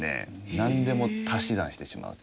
なんでも足し算してしまうと。